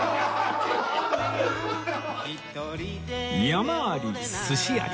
山あり寿司あり